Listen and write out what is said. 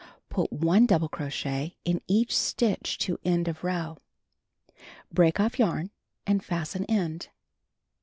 Put 1 double crochet in each stitch to end of row. Break off yarn, and fasten end.